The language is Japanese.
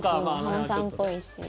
ハマさんっぽいし。